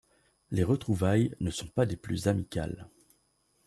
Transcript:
Les retrouvailles ne sont pas des plus amicales.